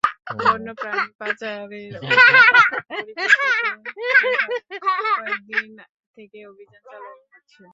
বন্য প্রাণী পাচারের অভিযোগের পরিপ্রেক্ষিতে সেখানে কয়েক দিন থেকে অভিযান চালানো হচ্ছে।